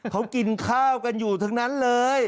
เขากินข้าวกันอยู่ทั้งนั้นเลย